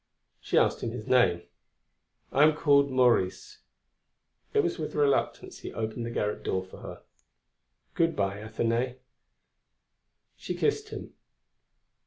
She asked him his name. "I am called Maurice." It was with reluctance he opened the garret door for her: "Good bye, Athenaïs." She kissed him.